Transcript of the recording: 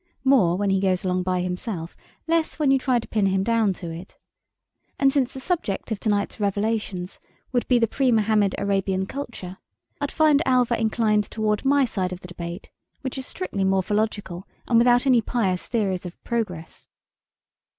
More when he goes along by himself; less when you try to pin him down to it. And since the subject of tonight's revelations would be the pre Mohammed Arabian Culture, I'd find Alva inclined toward my side of the debate, which is strictly morphological and without any pious theories of "progress".